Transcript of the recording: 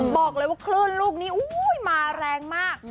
บอกเลยว่าคลื่นลูกนี้มาแรงมาก